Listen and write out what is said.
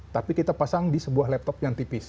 tapi kita pasang di sebuah laptop yang tipis